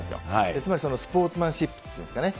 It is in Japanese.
つまりスポーツマンシップっていうんですかね。